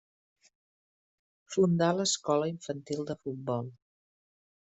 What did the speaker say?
Fundà l’escola infantil de futbol.